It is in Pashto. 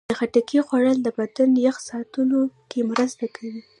د خټکي خوړل د بدن یخ ساتلو کې مرسته کوي.